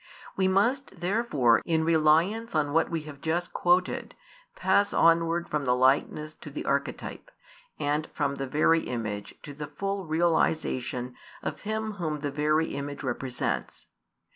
We must therefore, in reliance on what we have just quoted, pass onward from the Likeness to the Archetype, and from the Very Image to the full realisation of Him Whom the Very Image represents.